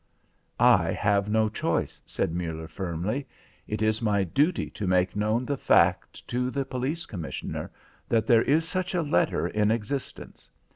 "I have no choice," said Muller firmly. "It is my duty to make known the fact to the Police Commissioner that there is such a letter in existence.